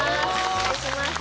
お願いします。